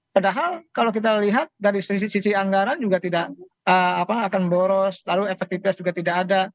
padahal kalau kita lihat dari sisi anggaran juga tidak akan boros lalu efektivitas juga tidak ada